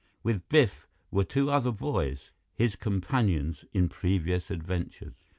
With Biff were two other boys, his companions in previous adventures.